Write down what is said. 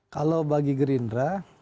kalau bagi gerindra